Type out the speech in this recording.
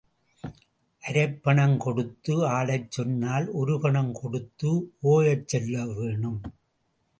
அரைப் பணம் கொடுத்து ஆடச் சொன்னால், ஒருபணம் கொடுத்து ஓயச் சொல்ல வேணும்.